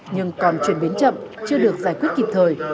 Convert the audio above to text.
nhưng còn chuyển biến chậm chưa được giải quyết kịp thời